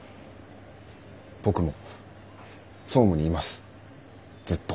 僕も総務にいますずっと。